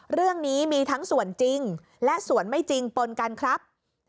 เรื่องนี้มีทั้งส่วนจริงและส่วนไม่จริงปนกันครับ